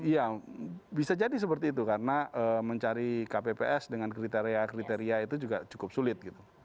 ya bisa jadi seperti itu karena mencari kpps dengan kriteria kriteria itu juga cukup sulit gitu